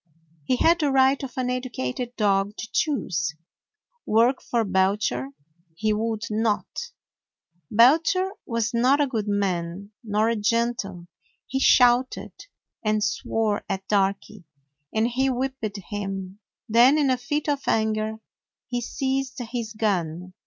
He had the right of an educated dog to choose. Work for Belcher he would not. Belcher was not a good man, nor a gentle. He shouted and swore at Darky and he whipped him. Then in a fit of anger he seized his gun.